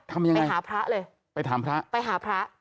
ทำยังไงไปหาพระเลยไปถามพระไปหาพระ